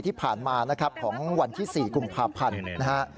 ที่ผ่านมาของวันที่สี่กลุ่มภาพพันธ์นะฮะ